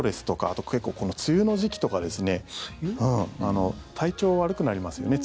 あと結構、この梅雨の時期とか体調悪くなりますよね